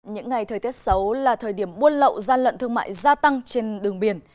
những ngày thời tiết xấu là thời điểm buôn lậu gian lận thương mại gia tăng trên đường biển